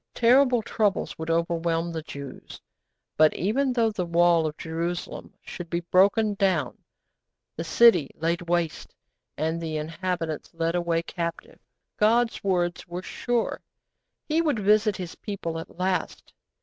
Terrible troubles would overwhelm the Jews; but, even though the wall of Jerusalem should be broken down, the city laid waste, and the inhabitants led away captive, God's words were sure. He would visit His people at last.